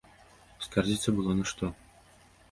Скардзіцца было на што.